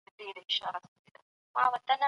نړۍ به جوړه سي.